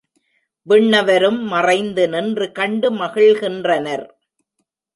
விண்ணவரும் மறைந்து நின்று கண்டு மகிழ்கின்றனர்.